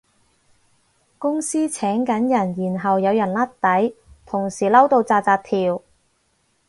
公司請緊人然後有人甩底，同事嬲到紮紮跳